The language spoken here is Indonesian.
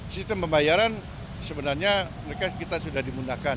sistem pembayaran sebenarnya kita sudah dimudahkan